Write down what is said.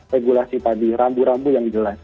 regulasi tadi rambu rambu yang jelas